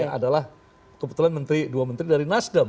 yang adalah kebetulan dua menteri dari nasdem